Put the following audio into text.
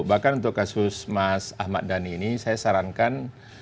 bahkan untuk kasus mas ahmad dhani ini saya sarankan